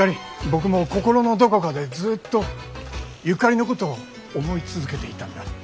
僕も心のどこかでずっとゆかりのことを思い続けていたんだ。